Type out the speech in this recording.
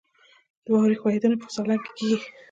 د واورې ښویدنه په سالنګ کې کیږي